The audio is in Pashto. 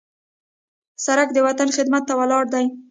سړک د وطن خدمت ته ولاړ دی.